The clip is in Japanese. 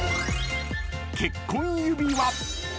［結婚指輪］